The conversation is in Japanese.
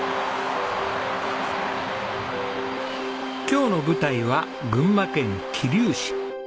今日の舞台は群馬県桐生市。